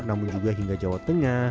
namun juga hingga jawa tengah